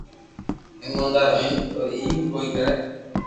ايموندار ھوئي تو ايم ڪوئي ڪري